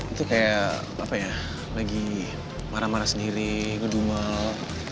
itu kayak apa ya lagi marah marah sendiri ngedumel